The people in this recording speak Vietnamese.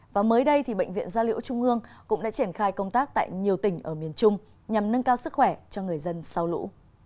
và mới đây bệnh viện gia liễu trung ương cũng đã triển khai công tác tại nhiều tỉnh ở miền trung nhằm nâng cao sức khỏe cho người dân sau lũ